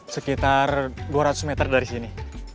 sekitar dua ratus meter dari sini